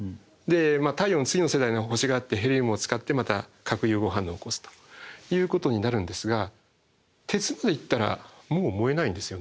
太陽の次の世代の星があってヘリウムを使ってまた核融合反応を起こすということになるんですが鉄までいったらもう燃えないんですよね。